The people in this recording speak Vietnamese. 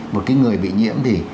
một cái người bị nhiễm thì